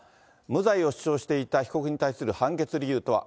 無罪を主張していた被告に対する判決理由とは。